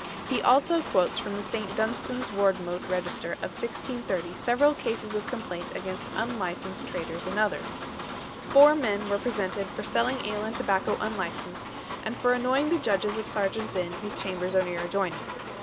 He also quotes from the St. Dunstan's Wardmote Register of 1630 several cases of complaint against unlicensed traders and others. Four men were presented "for selling ale and tobacco unlicensed, and for annoying the Judges of Serjeants Inn whose chambers are near adjoyning."